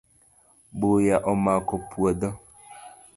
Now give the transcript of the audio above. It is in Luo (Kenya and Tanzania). Buya omako puodho